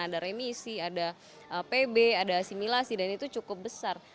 ada remisi ada pb ada asimilasi dan itu cukup besar